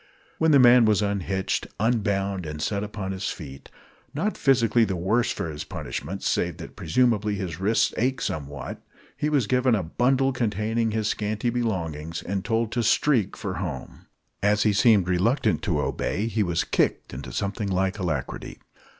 When the man was unhitched, unbound, and set upon his feet, not physically the worse for his punishment save that, presumably, his wrists ached somewhat, he was given a bundle containing his scanty belongings, and told to "streak" for home. As he seemed reluctant to obey, he was kicked into something like alacrity.